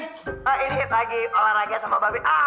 ini pagi olahraga sama mbak be